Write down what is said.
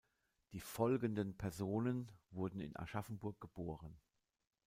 Die folgenden Personen wurden in Aschaffenburg geboren.